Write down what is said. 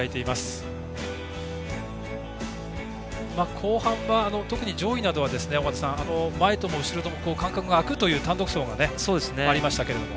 後半は特に、上位などは前とも後ろとも間隔が空くという単独走がありましたけども。